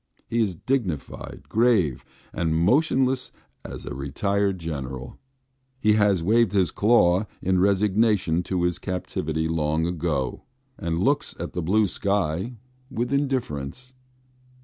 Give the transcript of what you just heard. He is dignified, grave, and motionless as a retired general. He has waved his claw in resignation to his captivity long ago, and looks at the blue sky with indifference.